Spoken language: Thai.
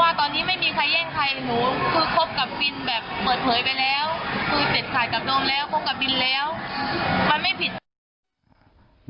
คือครบกับบินแบบเปิดเผยไปแล้วคือเสร็จขาดกับน้องแล้วครบกับบินแล้วมันไม่ผิด